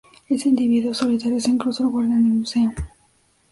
Ese individuo solitario es incluso el guardián del museo".